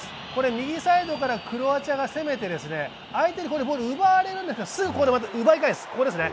右サイドからクロアチアが攻めて相手にここでボール奪われるんですがすぐ奪い返す。